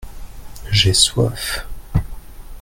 j'ai soif.